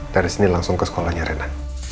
dari sini langsung ke sekolahnya rena